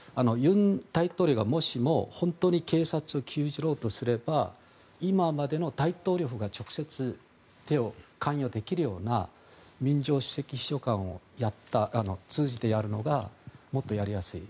尹大統領がもしも本当に警察を牛耳ろうとすれば今までの大統領府が直接関与できるような民情首席秘書官を通じてやるのがもっとやりやすい。